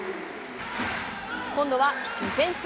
今度はディフェンス。